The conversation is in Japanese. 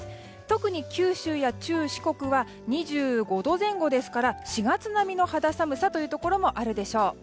特に九州や中四国は２５度前後ですから４月並みの肌寒さというところもあるでしょう。